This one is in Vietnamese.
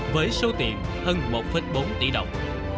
với số tiền hơn một bốn tỷ đồng